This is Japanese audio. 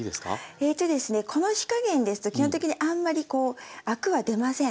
えとですねこの火加減ですと基本的にあんまりアクは出ません。